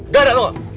gak ada dong